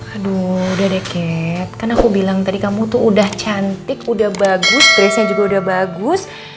aduh udah deh kat kan aku bilang tadi kamu tuh udah cantik udah bagus dressnya juga udah bagus